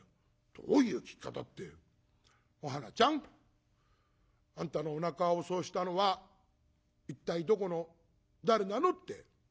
「どういう聞き方って『お花ちゃんあんたのおなかをそうしたのは一体どこの誰なの？』って」。